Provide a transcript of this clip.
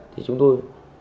thì chúng tôi